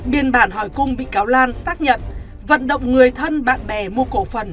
biên bản hỏi cung bị cáo lan xác nhận vận động người thân bạn bè mua cổ phần